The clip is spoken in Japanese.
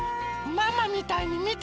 ママみたいにみて！